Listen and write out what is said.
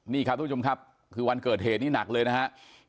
นี่ครับทุกผู้ชมครับคือวันเกิดเหตุนี่หนักเลยนะครับ